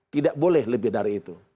tidak boleh lebih dari itu